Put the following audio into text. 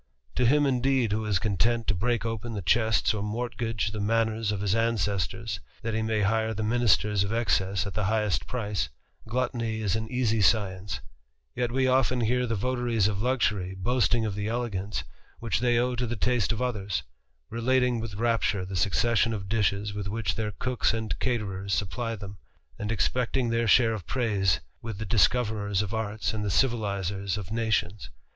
To him, indeed, who is content to break open the chests or mortgage the manors of l:iis ancestors, that he may hire the ministers of excess at t:lie " highest price, gluttony is an easy science : yet we often h ^jar the votaries of luxury boasting of the elegance which tfaey owe to the taste of others ; relating with rapture the siJC cession of dishes with which their cooks and caterers supply them; and expecting their share of praise with the <3is coverers of arts and the civilizers of nations.